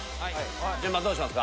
順番どうしますか？